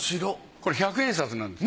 これ百円札なんです。